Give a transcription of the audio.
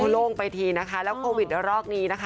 โล่งไปทีนะคะแล้วโควิดระรอกนี้นะคะ